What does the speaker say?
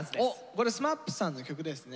これＳＭＡＰさんの曲ですね。